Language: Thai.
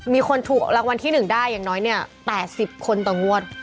มีคนถูกรางวัลที่๑ได้อย่างน้อยเนี่ย๘๐คนต่องวด